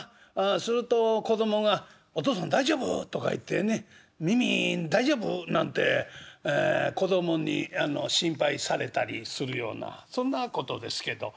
すると子供が「お父さん大丈夫？」とか言ってね「耳大丈夫？」なんて子供に心配されたりするようなそんなことですけど。